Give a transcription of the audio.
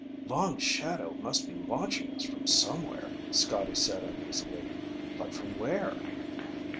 "Long Shadow must be watching us from somewhere," Scotty said uneasily. "But from where?"